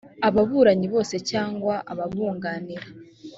ababuranyi bose cyangwa ababunganira